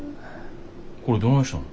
これどないしたん？